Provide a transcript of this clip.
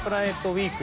ウィーク。